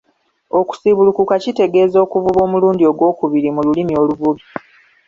Okusiibulukuka kitegeeza okuvuba omulundi ogwokubiri mu lulimi oluvubi.